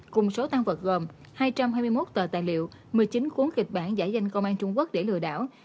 cùng số tan vật gồm hai trăm hai mươi một tờ tài liệu một mươi chín cuốn kịch bản giải danh công an trung quốc để lừa đảo